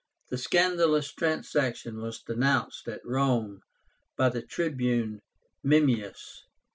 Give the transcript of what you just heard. The scandalous transaction was denounced at Rome by the Tribune MEMMIUS.